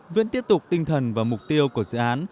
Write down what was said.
vẫn tiếp tục tinh thần và mục tiêu của dự án